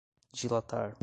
dilatar